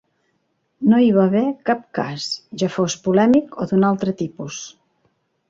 No hi va haver cap "cas", ja fos polèmic o d'un altre tipus.